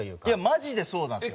マジでそうなんですよ。